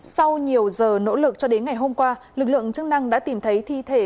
sau nhiều giờ nỗ lực cho đến ngày hôm qua lực lượng chức năng đã tìm thấy thi thể